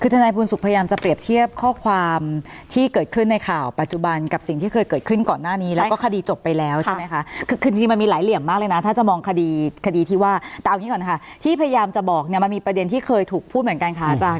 แต่เอาอย่างนี้ก่อนนะคะที่พยายามจะบอกมันมีประเด็นที่เคยถูกพูดเหมือนกันค่ะอาจารย์